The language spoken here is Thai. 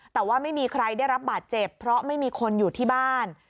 แต่ว่าไม่มีใครได้รับบาดเจ็บเพราะไม่มีคนอยู่ที่บ้าน